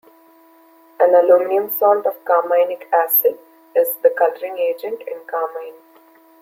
An aluminum salt of carminic acid is the coloring agent in carmine.